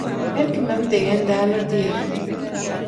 Her kimem degen däldir diýer.